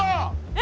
え！